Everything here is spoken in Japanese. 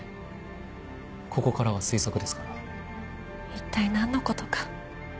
いったい何のことか。